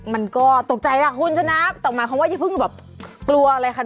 มันก็ตกใจละคุณนะต่อมาคำว่าอย่าเพิ่งแบบกลัวอะไรขนาดนั้น